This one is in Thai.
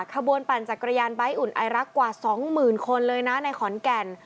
ปั่นจักรยานใบ้อุ่นไอรักกว่า๒๐๐๐คนเลยนะในขอนแก่น